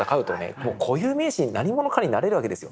固有名詞に何者かになれるわけですよ。